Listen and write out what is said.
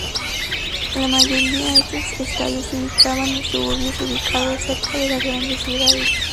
La mayoría estos estadios se ubicaban en suburbios ubicados cerca de las grandes ciudades.